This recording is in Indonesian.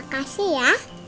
nah makasih ya